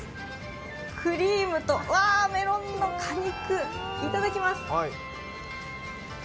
クリームと、わぁ、メロンの果肉！いただきます。